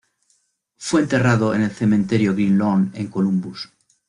Fue enterrado en el Cementerio Green Lawn, en Columbus.